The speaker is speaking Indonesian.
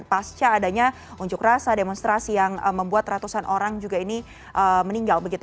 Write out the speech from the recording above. pasca adanya unjuk rasa demonstrasi yang membuat ratusan orang juga ini meninggal begitu